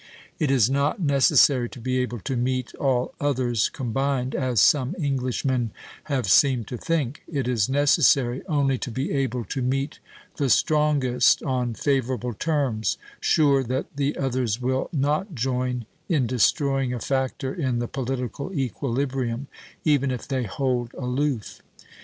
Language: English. It is not necessary to be able to meet all others combined, as some Englishmen have seemed to think; it is necessary only to be able to meet the strongest on favorable terms, sure that the others will not join in destroying a factor in the political equilibrium, even if they hold aloof.